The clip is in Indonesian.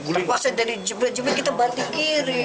terpaksa dari jembatan kita banting kiri